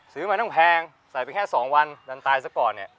ซื้อมาต้องแพงใส่ไปแค่๒วันดันตายซะก่อนเนี่ย